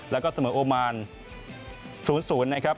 แล้วก็เสมอโอมาน๐๐นะครับ